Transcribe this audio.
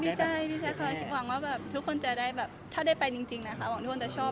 ดีใจค่ะหวังว่าถ้าทุกคนได้ไปจริงแล้วทุกคนจะชอบ